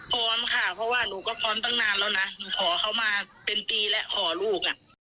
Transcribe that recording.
พร้อมค่ะเพราะว่าหนูก็พร้อมตั้งนานแล้วนะหนูขอเขามาเป็นปีแล้วขอลูกอ่ะ